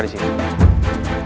aku harus berpisah di sini